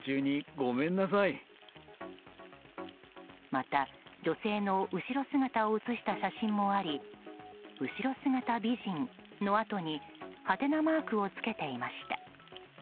また、女性の後ろ姿を写した写真もあり後姿美人のあとにはてなマークを付けていました。